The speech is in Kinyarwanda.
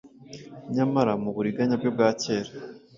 Nyamara mu buriganya bwe bwa kera,